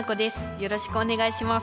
よろしくお願いします。